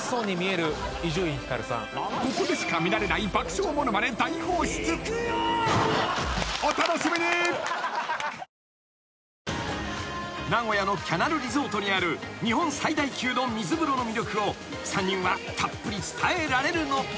カロカロおとなのカロリミットカロリミット［名古屋のキャナルリゾートにある日本最大級の水風呂の魅力を３人はたっぷり伝えられるのか？］